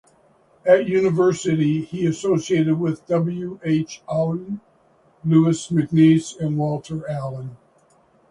At university he associated with W. H. Auden, Louis MacNeice and Walter Allen.